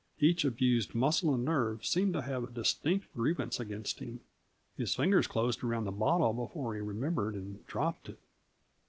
Each abused muscle and nerve seemed to have a distinct grievance against him. His fingers closed around the bottle before he remembered and dropped it.